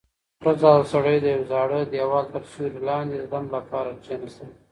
ښځه او سړی د یوې زړې دېوال تر سیوري لاندې د دم لپاره کېناستل.